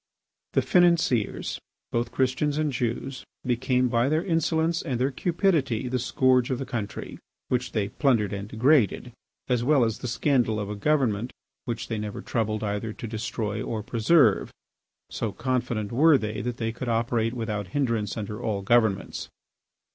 The financiers, both Christians and Jews, became by their insolence and their cupidity the scourge of the country, which they plundered and degraded, as well as the scandal of a government which they never troubled either to destroy or preserve, so confident were they that they could operate without hindrance under all governments.